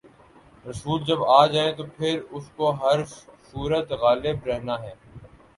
رسول جب آ جائے تو پھر اس کو ہر صورت غالب رہنا ہے۔